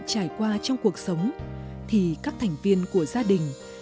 chỉ có cho đi